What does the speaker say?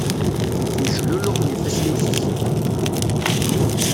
Ttmejluluxen ifassen-iw s zzit.